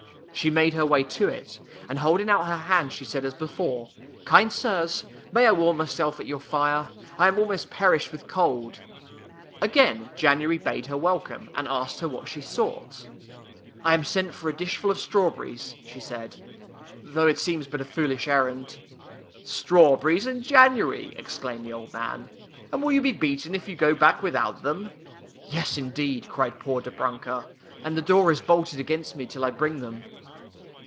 She made her way to it, and holding out [ 15 ] FAVORITE FAIRY TALES RETOLD her hands she said, as before, " Kind sirs, may I warm myself at your fire? I am almost perished with cold." Again January bade her welcome, and asked her what she sought. '' I am sent for a dishful of strawberries," she said, " though it seems but a foolish errand." "Strawberries in January!" exclaimed the old man. " And will you be beaten if you go back without them? " "Yes, indeed!" cried poor Dobrunka, " and the door is bolted against me till I bring them."